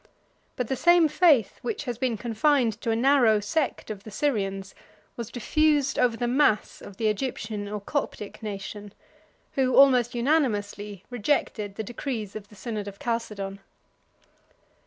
But the same faith, which has been confined to a narrow sect of the Syrians, was diffused over the mass of the Egyptian or Coptic nation; who, almost unanimously, rejected the decrees of the synod of Chalcedon.